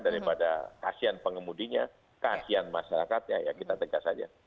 daripada kasihan pengemudinya kasihan masyarakatnya ya kita tegas saja